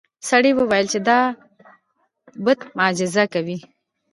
سړي وویل چې دا بت معجزه کوي.